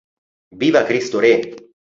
Viva Cristo Re!